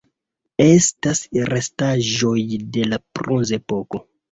Estas restaĵoj de la Bronzepoko.